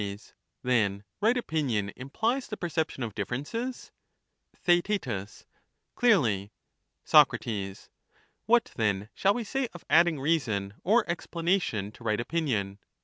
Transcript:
Soc, Then right opinion implies the perception of differ ences ? Theaet Clearly. Soc, What, then, shall we say of adding reason or explana tion to right opinion?